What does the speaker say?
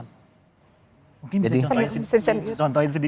mungkin bisa dicontohin sedikit